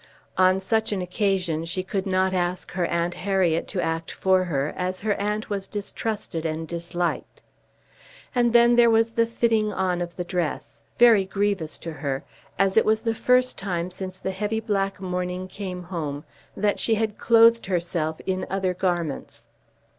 On such an occasion she could not ask her aunt Harriet to act for her, as her aunt was distrusted and disliked. And then there was the fitting on of the dress, very grievous to her, as it was the first time since the heavy black mourning came home that she had clothed herself in other garments.